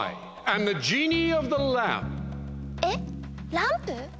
ランプ？